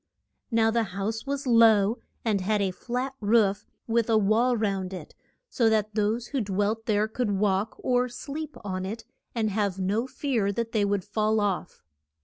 Now the house was low and had a flat roof, with a wall round it, so that those who dwelt there could walk or sleep on it and have no fear that they would fall off.